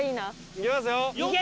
いきますよ！